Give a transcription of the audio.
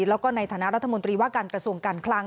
แล้วก็ในฐานะรัฐมนตรีว่าการกระทรวงการคลัง